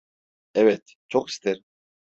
Evet, çok isterim.